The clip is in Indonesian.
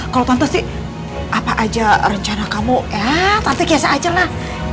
kalau tonto sih apa aja rencana kamu ya nanti kiasa aja lah